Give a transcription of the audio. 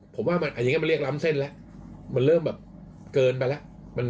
ผมว่าอย่างนี้มันเรียกล้ำเส้นแล้วมันเริ่มแบบเกินไปแล้ว